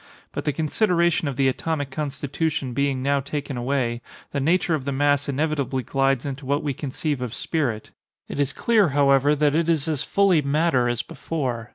But the consideration of the atomic constitution being now taken away, the nature of the mass inevitably glides into what we conceive of spirit. It is clear, however, that it is as fully matter as before.